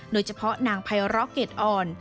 โดยเฉพาะนางไพร้อเกรดอ่อน